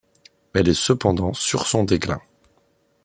Elle est cependant sur son déclin.